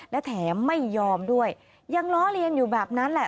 และแถมไม่ยอมด้วยยังล้อเลียนอยู่แบบนั้นแหละ